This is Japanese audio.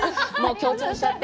強調しちゃって。